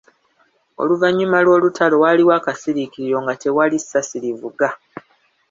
Oluvannyuma lw'olutalo waaliwo akasiriikiriro nga tewali ssasi livuga.